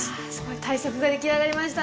大作ができあがりました。